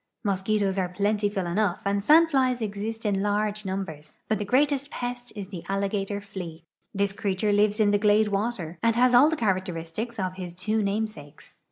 Mosquitos are plentiful enough and sandflies exist in large numbers, but the greatest pest is tlie alligator flea. This creature lives in the glade water, and has all the (iharacteristics of his two namesakes.